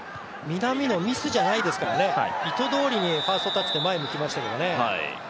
南野、ミスじゃないですから意図どおりにファーストタッチで前向きました。